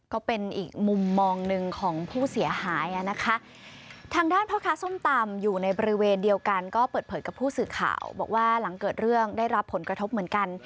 ก็เป็นอีกมุมมองหนึ่งของผู้เสียหายอ่ะนะคะทางด้านพ่อค้าส้มตำอยู่ในบริเวณเดียวกันก็เปิดเผยกับผู้สื่อข่าวบอกว่าหลังเกิดเรื่องได้รับผลกระทบเหมือนกัน